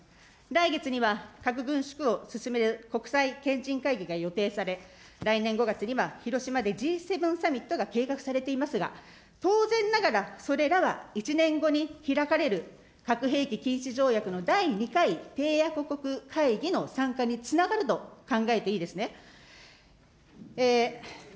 来月には核軍縮を進める国際賢人会議が予定され、来年５月には広島でＧ７サミットが計画されていますが、当然ながら、それらは１年後に開かれる核兵器禁止条約の第２回締約国会議の参加につながると考えていいですね。